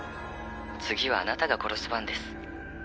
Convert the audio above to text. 次はあなたが殺す番です」